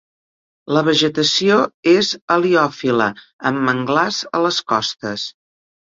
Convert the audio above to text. La vegetació és heliòfila amb manglars a les costes.